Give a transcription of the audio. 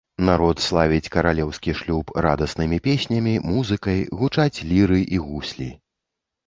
Народ славіць каралеўскі шлюб радаснымі песнямі, музыкай, гучаць ліры і гуслі.